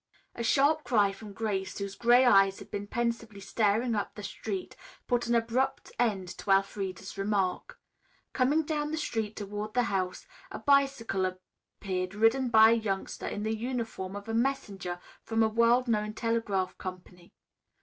A sharp cry from Grace, whose gray eyes had been pensively staring up the street, put an abrupt end to Elfreda's remark. Coming down the street toward the house a bicycle appeared ridden by a youngster in the uniform of a messenger from a world known telegraph company.